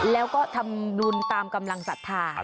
แล้วก็ทำบุญตามกำลังศรัทธา